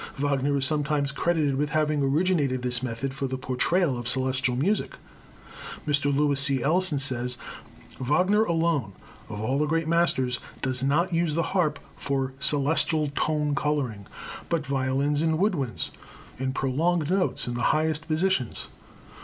Wagner is sometimes credited with having originated this method for the portrayal of celestial music. Mr. Louis C. Elson says: "Wagner, alone, of all the great masters, does not use the harp for celestial tone coloring, but violins and wood winds, in prolonged notes in the highest positions.